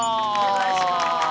お願いします。